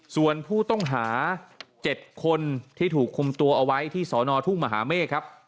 ส่วนผู้ต้องหา๗คนที่ถูกคุมตัวเอาไว้ที่สอนอทุ่งมหาเมฆครับ